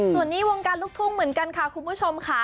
ส่วนนี้วงการลูกทุ่งเหมือนกันค่ะคุณผู้ชมค่ะ